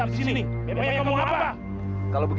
akhirnya dia pengen sialan kalo diabak